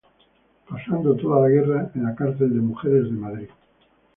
Pasando toda la guerra en la cárcel de mujeres de Madrid.